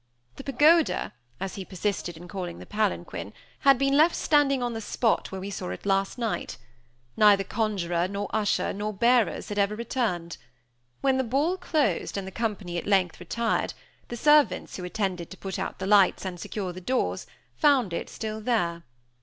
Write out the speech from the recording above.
The pagoda, as he persisted in calling the palanquin, had been left standing on the spot where we last saw it. Neither conjuror, nor usher, nor bearers had ever returned. When the ball closed, and the company at length retired, the servants who attended to put out the lights, and secure the doors, found it still there.